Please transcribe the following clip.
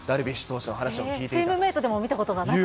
チームメートでも見たことがなかったと。